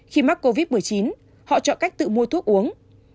khi mắc covid một mươi chín họ chọn cách tự mua thuốc uống